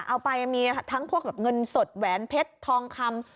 เอาไปมีทั้งพวกแบบเงินสดแหวนเพชรทองคำ